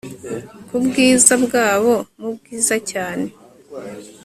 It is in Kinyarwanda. Kubwiza bwabo mubwiza cyane